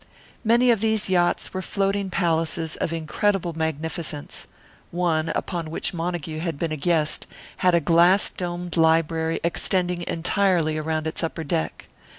Many of these yachts were floating palaces of incredible magnificence; one, upon which Montague had been a guest, had a glass domed library extending entirely around its upper deck.